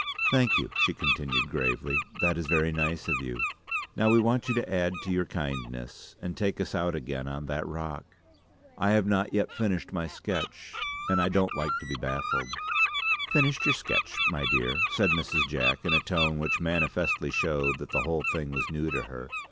"Thank you," she continued gravely, "that is very nice of you. Now we want you to add to your kindness and take us out again on that rock. I have not yet finished my sketch, and I don't like to be baffled." "Finished your sketch, my dear," said Mrs. Jack, in a tone which manifestly showed that the whole thing was new to her.